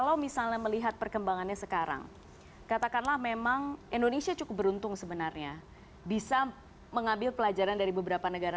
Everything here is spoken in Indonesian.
kalau misalnya melihat perkembangannya sekarang katakanlah memang indonesia cukup beruntung sebenarnya bisa mengambil pelajaran dari beberapa negara